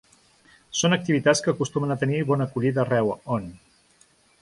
Són activitats que acostumen a tenir bona acollida arreu on.